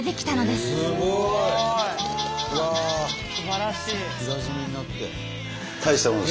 すばらしい！